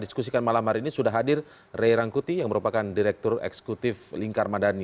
diskusikan malam hari ini sudah hadir ray rangkuti yang merupakan direktur eksekutif lingkar madani